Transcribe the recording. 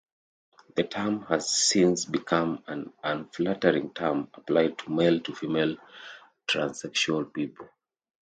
The term has since become an unflattering term applied to male-to-female transsexual people.